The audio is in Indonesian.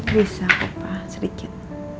bisa papa sedikit